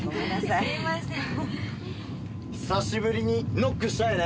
久しぶりにノックしたいね！